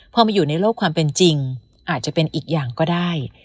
พอมาอยู่ในโลกความเป็นจริงอาจจะเป็นอีกอย่างก็ได้